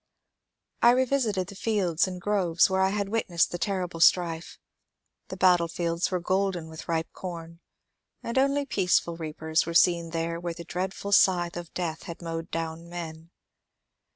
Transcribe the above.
I revisited the fields and gproves where I had witnessed the terrible strife. The battlefields were golden with ripe com, and only peaceful reapers were seen there where the dreadful scythe of death had mowed down men.